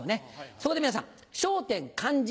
そこで皆さん「笑点漢字